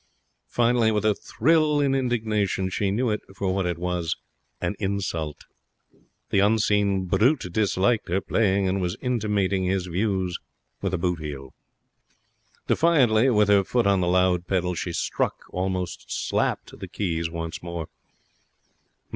Finally, with a thrill in indignation, she knew it for what it was an insult. The unseen brute disliked her playing, and was intimating his views with a boot heel. Defiantly, with her foot on the loud pedal, she struck almost slapped the keys once more.